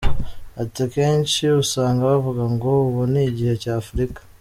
Ati “Akenshi usanga bavuga ngo ubu ni igihe cya Afurika.